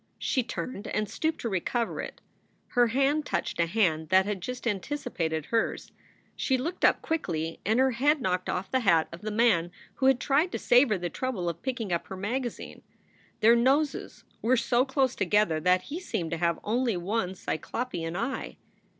She turned and stooped to recover it. Her hand touched a hand that had just anticipated hers. She looked up quickly and her head knocked off the hat of the man who had tried to save her the trouble of picking up her magazine. Their noses were so close together that he seemed to have only one Cyclopean eye.